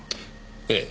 ええ。